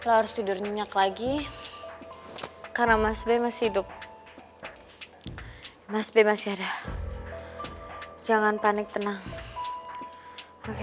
harus tidur nyinyak lagi karena masih hidup masih ada jangan panik tenang oke